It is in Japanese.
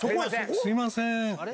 すみません。